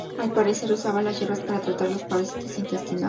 Al parecer usaba las hierbas para tratar los parásitos intestinales.